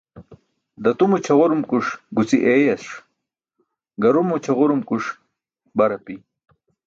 Datumo ćʰaġurumkuṣ guci eeyas, garumo ćʰaġurumkuṣe bar api.